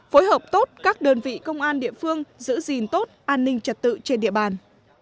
phối hợp tốt các đơn vị công an địa phương giữ gìn tốt an ninh trật tự trên địa bàn